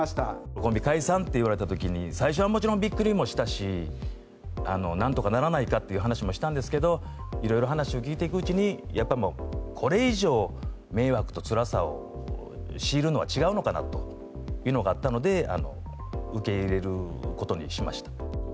コンビ解散って言われたときに、最初はもちろんびっくりもしたし、なんとかならないかって話もしたんですけど、いろいろ話を聞いていくうちに、やっぱりもうこれ以上迷惑とつらさを強いるのは違うのかなというのがあったので、受け入れることにしました。